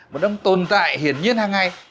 mà đang tồn tại hiển nhiên hàng ngày